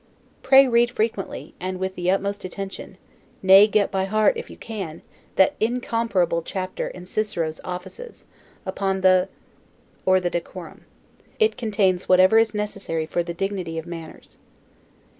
Pray read frequently, and with the utmost attention, nay, get by heart, if you can, that incomparable chapter in Cicero's "Offices," upon the [], or the Decorum. It contains whatever is necessary for the dignity of manners.